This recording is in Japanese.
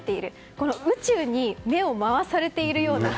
この宇宙に目を回されているような。